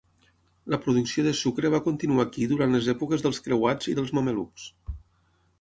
La producció de sucre va continuar aquí durant les èpoques dels creuats i dels mamelucs.